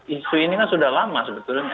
isu ini kan sudah lama sebetulnya